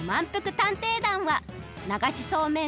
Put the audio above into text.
探偵団はながしそうめん